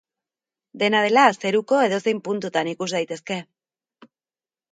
Dena dela, zeruko edozein puntutan ikus daitezke.